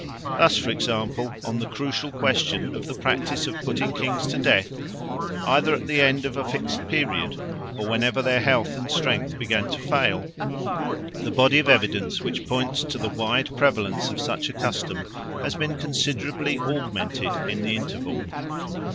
Thus, for example, on the crucial question of the practice of putting kings to death either at the end of a fixed period or whenever their health and strength began to fail, the body of evidence which points to the wide prevalence of such a custom has been considerably augmented in the interval.